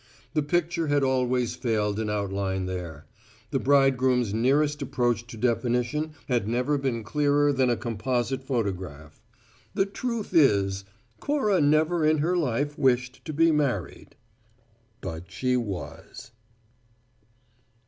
The picture had always failed in outline there: the bridegroom's nearest approach to definition had never been clearer than a composite photograph. The truth is, Cora never in her life wished to be married. But she was.